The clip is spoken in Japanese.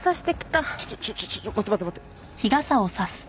ちょちょちょちょ待って待って待って！